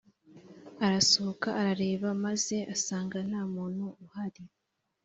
Arasohoka arareba maze asanga ntamuntu uhari